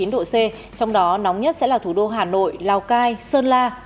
trong đó nóng nhất sẽ là thủ đô hà nội lào cai sơn la